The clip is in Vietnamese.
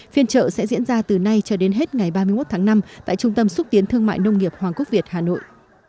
phiên trợ sẽ diễn ra từ nay cho đến hết ngày ba mươi một tháng năm tại trung tâm xúc tiến thương mại nông nghiệp hoàng quốc việt hà nội